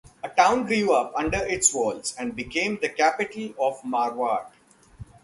A town grew up under its walls and became the capital of Marwat.